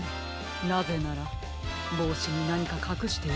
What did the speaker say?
なぜならぼうしになにかかくしているからでは？